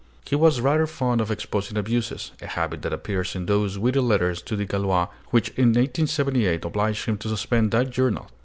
He was rather fond of exposing abuses, a habit that appears in those witty letters to the Gaulois which in 1878 obliged him to suspend that journal.